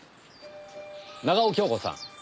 長尾恭子さん。